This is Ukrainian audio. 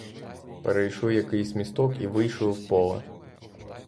Перейшли якийсь місток і вийшли в поле.